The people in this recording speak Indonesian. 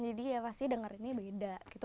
jadi ya pasti dengerinnya beda gitu